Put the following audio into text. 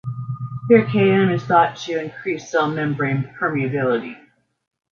Piracetam is thought to increase cell membrane permeability.